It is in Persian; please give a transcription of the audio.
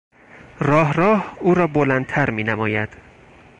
راه راه، او را بلندتر مینماید.